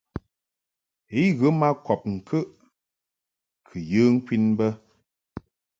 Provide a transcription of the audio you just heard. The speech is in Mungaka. I ghə ma kɔb ŋkəʼ kɨ yə ŋkwin bə.